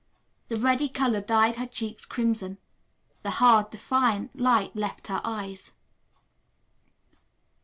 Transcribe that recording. The ready color dyed her cheeks crimson. The hard, defiant light left her eyes.